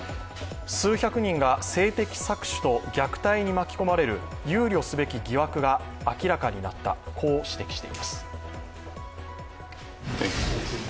数百人が性的搾取と虐待に巻き込まれる憂慮すべき疑惑が明らかになった、こう指摘しています。